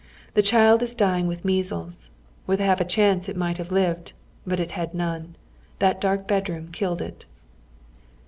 Tlic eliiid is dying witii measles. Witli lialf a eliaiice it might have lived ; but it had none. That dark bedroom killed it.